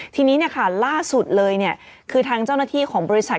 ทีนี้ล่าสุดเลยคือทางเจ้าหน้าที่ของบริษัท